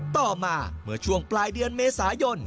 ต่อมาเมื่อช่วงปลายเดือนเมษายน